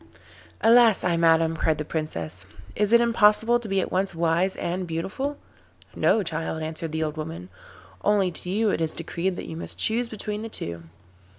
'Alas I madam,' cried the Princess, 'is it impossible to be at once wise and beautiful?' 'No, child,' answered the old woman, 'only to you it is decreed that you must choose between the two.